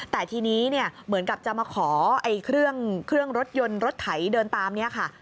ทีนี้เหมือนกับจะมาขอเครื่องรถยนต์รถไถเดินตามนี้